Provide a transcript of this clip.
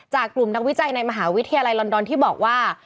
จากกลุ่มนักวิจัยในมหาวิทยาลัยลอนดอนที่บอกว่า